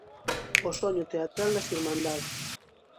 O soño teatral das Irmandades.